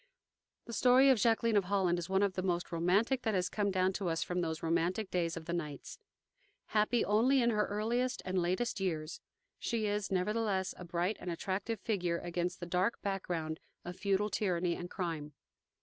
The story of Jacqueline of Holland is one of the most romantic that has come down to us from those romantic days of the knights. Happy only in her earliest and latest years, she is, nevertheless, a bright and attractive figure against the dark background of feudal tyranny and crime.